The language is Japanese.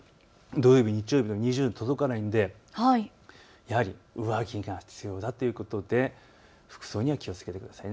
土曜日、日曜日も２０度に届かないのでやはり上着が必要だということで服装には気をつけてください。